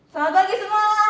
selamat pagi semua